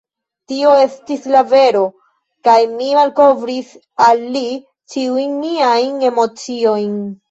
Tio estis la vero, kaj mi malkovris al li ĉiujn miajn emociojn.